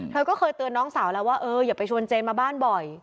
เธอก็เคยเตือนน้องสาวแล้วว่าเอออย่าไปชวนเจนมาบ้านบ่อย